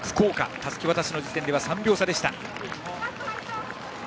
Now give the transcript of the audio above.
たすき渡しの時点では３秒差。